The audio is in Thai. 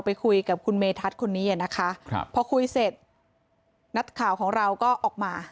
ไปคุยกับคุณเมธัศนคนนี้นะคะครับพอคุยเสร็จนักข่าวของเราก็ออกมา